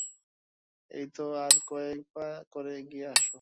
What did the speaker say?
এইতো আর কয়েক পা করে এগিয়ে আসো।